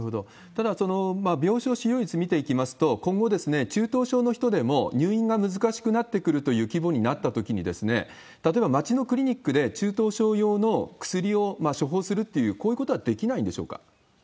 ただ、病床使用率見ていきますと、今後、中等症の人でも、入院が難しくなってくるという規模になったときに、例えば町のクリニックで中等症用の薬を処方するっていう、こういうことはできないんでしょうか？